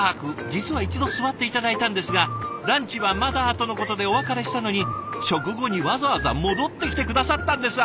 実は一度座って頂いたんですが「ランチはまだ」とのことでお別れしたのに食後にわざわざ戻ってきて下さったんです。